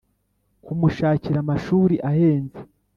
kumushakira amashuri ahenze